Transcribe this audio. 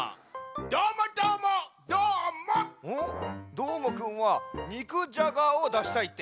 どーもくんはにくじゃがをだしたいって？